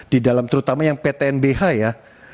di dalam terutama yang ptnbh ya